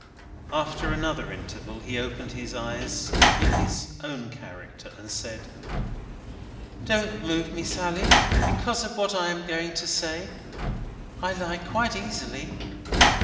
After another interval, he opened his eyes in his own character, and said: "Don't move me, Sally, because of what I am going to say; I lie quite easily.